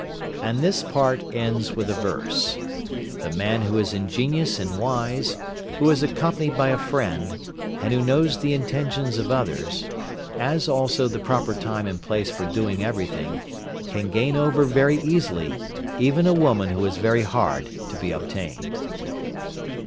And this part ends with a verse: The man who is ingenious and wise, who is accompanied by a friend, and who knows the intentions of others, as also the proper time and place for doing everything, can gain over, very easily, even a woman who is very hard to be obtained.